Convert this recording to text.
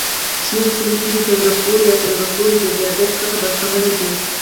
• شنې سترګې د په زړه پورې او په زړه پورې جذابیت څخه برخمنې دي.